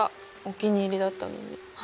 お気に入りだったのに。